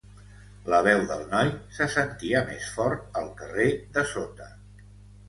La veu del noi se sentia més fort al carrer de sota.